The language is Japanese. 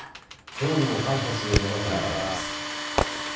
今日にも逮捕するものとみられます。